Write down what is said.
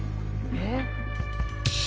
えっ⁉